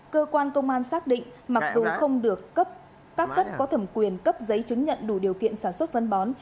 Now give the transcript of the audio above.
cơ quan công an xác định mặc dù không được các cấp có thẩm quyền cấp giấy chứng nhận đủ điều kiện sản xuất phân bón